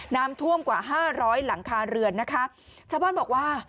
น้ำท่วมกว่าห้าร้อยหลังคาเรือนนะคะชาวบ้านบอกว่า